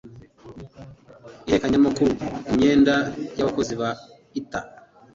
ihererekanyamakuru ku myenda yabakozi ba lta